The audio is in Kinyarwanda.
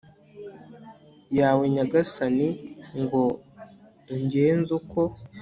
yawe nyagasani ngo ungenze uko